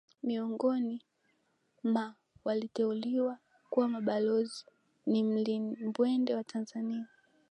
Miongoni ma walioteuliwa kuwa mabalozi ni mlimbwende wa Tanzania